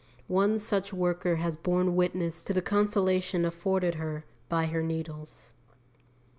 One such worker has borne witness to the consolation afforded her by her needles.